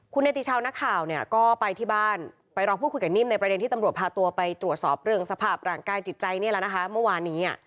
คุณเนติชาวนักข่าวเนี่ยก็ไปที่บ้านไปลองพูดคุยกับนิ่มในประเด็นที่ตำรวจพาตัวไปตรวจสอบเรื่องสภาพร่างกายจิตใจนี่แหละนะคะเมื่อวานนี้